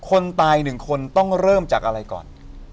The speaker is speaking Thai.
คนตายหนึ่งคนต้องเริ่มจากอะไรก่อน